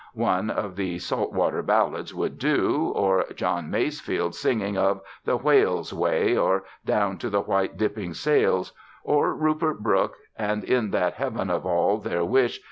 One of the "Salt Water Ballads" would do, or John Masefield singing of "the whale's way," or "Down to the white dipping sails;" or Rupert Brooke: "And in that heaven of all their wish.